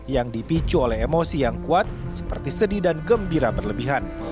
yang dipicu oleh emosi yang kuat seperti sedih dan gembira berlebihan